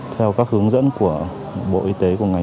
theo các hướng dẫn của bộ y tế của ngành